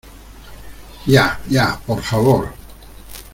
ya. ya, por favor .